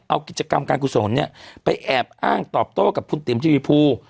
เอากิจกรรมการกุศลเนี่ยไปแอบอ้างตอบโต้กับคุณติ๋มทีวีภู